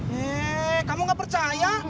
heee kamu enggak percaya